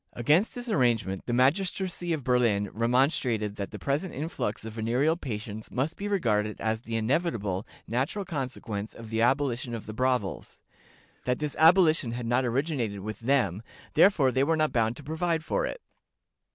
Against this arrangement the magistracy of Berlin remonstrated that the present influx of venereal patients must be regarded as the inevitable, natural consequence of the abolition of the brothels; that this abolition had not originated with them, therefore they were not bound to provide for it."